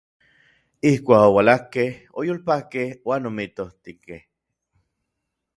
Ijkuak oualakej, oyolpakej uan omijtotijkej.